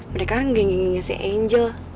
mereka kan gengging genggingnya si e